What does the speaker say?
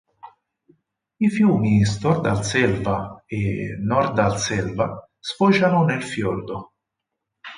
I fiumi Stordalselva e Norddalselva sfociano nel fiordo.